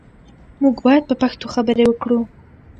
موږ باید په پښتو خبرې وکړو.